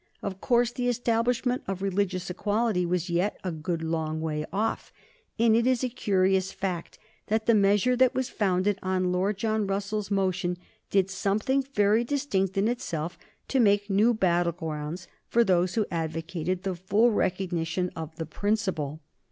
Of course, the establishment of religious equality was yet a good long way off, and it is a curious fact that the measure that was founded on Lord John Russell's motion did something very distinct in itself to make new battle grounds for those who advocated the full recognition of the principle.